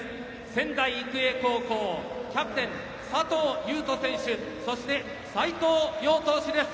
仙台育英高校キャプテン佐藤悠斗選手そして斎藤蓉投手です。